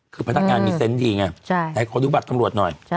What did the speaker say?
คือพนักงานมีเซนต์ดีไงไหนขอดูบัตรตำรวจหน่อย